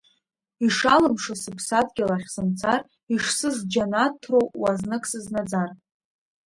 Ишалымшо сыԥсадгьыл ахь сымцар, ишсызџьанаҭроу уа знык сызнаӡар.